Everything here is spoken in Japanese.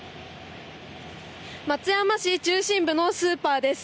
松山市中心部のスーパーです。